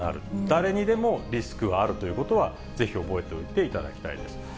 誰にでもリスクはあるということは、ぜひ覚えておいていただきたいです。